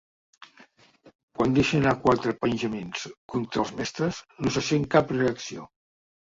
Quan deixa anar quatre penjaments contra els mestres no se sent cap reacció.